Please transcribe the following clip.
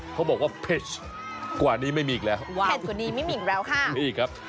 เขาบอกว่าเผ็ดกว่านี้ไม่มีอีกแล้วเผ็ดกว่านี้ไม่มีอีกแล้วค่ะนี่ครับ